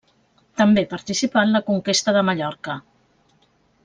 També participà en la conquesta de Mallorca.